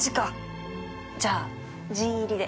じゃあジン入りで。